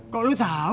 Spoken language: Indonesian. kok lo tau